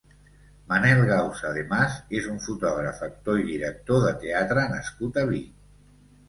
Manel Gausa de Mas és un fotògraf, actor i director de teatre nascut a Vic.